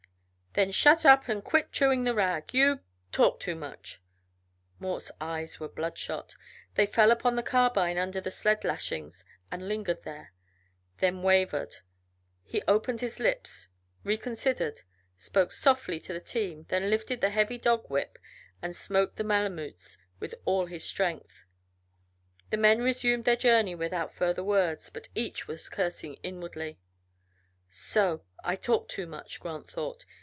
"Then shut up, and quit chewing the rag. You talk too much." Mort's eyes were bloodshot; they fell upon the carbine under the sled lashings, and lingered there, then wavered. He opened his lips, reconsidered, spoke softly to the team, then lifted the heavy dog whip and smote the Malemutes with all his strength. The men resumed their journey without further words, but each was cursing inwardly. "So! I talk too much," Grant thought.